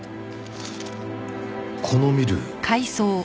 このミル。